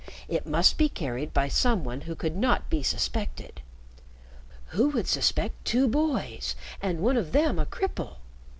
It must be carried by some one who could not be suspected. Who would suspect two boys and one of them a cripple?